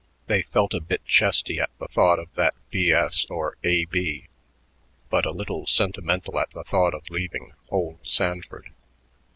They felt a bit chesty at the thought of that B.S. or A.B., but a little sentimental at the thought of leaving "old Sanford."